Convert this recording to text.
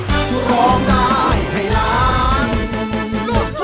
ขอร้องได้ไฮลากุกคุม